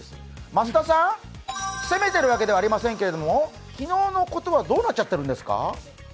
増田さん、責めてるわけではありませんけど、昨日のことはどうなっちゃってるんですか？